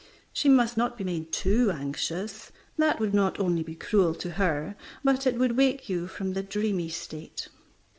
She must not be made too anxious. That would not only be cruel to her, but it would wake you from the dreamy state.